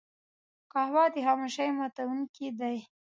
قهوه د خاموشۍ ماتونکی دی